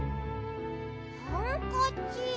ハンカチ？